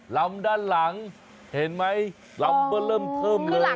ลำด้านหลังเห็นไหมลำเบอร์เริ่มเทิมเลย